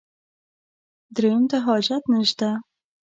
درېیم ته حاجت نشته.